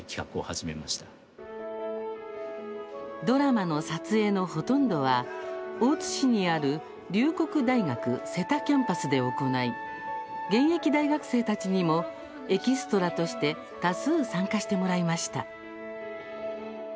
ドラマの撮影のほとんどは大津市にある龍谷大学瀬田キャンパスで行い現役大学生たちにもエキストラとして多数参加してもらいました。